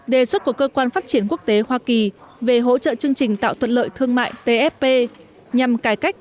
đề xuất của cơ quan phát triển quốc tế hoa kỳ về hỗ trợ chương trình tạo thuận lợi thương mại tfp nhằm cải cách